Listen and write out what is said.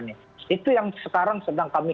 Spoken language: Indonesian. itu yang sekarang sedang kami